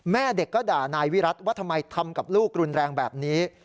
แม่เด็กก็ด่านายวิรัติว่าทำไมทำกับลูกรุนแรงแบบนี้